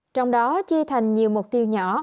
trong đó chia thành nhiều mục tiêu nhỏ